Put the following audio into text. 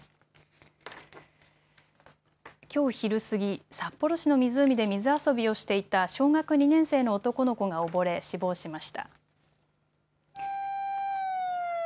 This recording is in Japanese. きょう昼過ぎ、札幌市の湖で水遊びをしていた小学２年生の男の子が溺れ死亡しました。